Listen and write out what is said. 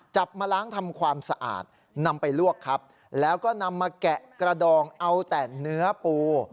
จับมาล้างทำความสะอาดนำไปลวกครับแล้วก็นำมาแกะกระดองเอาแต่เนื้อปู